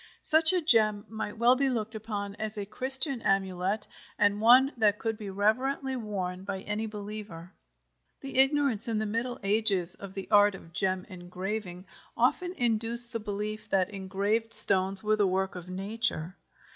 Such a gem might well be looked upon as a Christian amulet and one that could be reverently worn by any believer. The ignorance in the Middle Ages of the art of gem engraving often induced the belief that engraved stones were the work of nature.